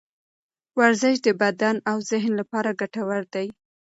ورزش د بدن او ذهن لپاره ګټور دی.